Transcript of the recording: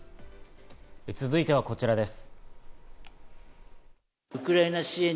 続いてはこちらです。